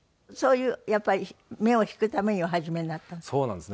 そういうやっぱり目を引くためにお始めになったの？